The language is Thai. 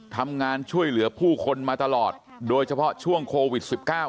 ทำงานช่วยเหลือผู้คนมาตลอดโดยเฉพาะช่วงโควิด๑๙